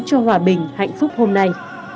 cho hòa bình hạnh phúc hôm nay